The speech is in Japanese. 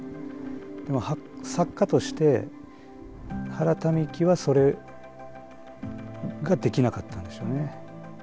でも作家として原民喜はそれができなかったんでしょうね。